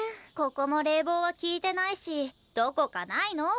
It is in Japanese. ここも冷房は効いてないしどこかないの？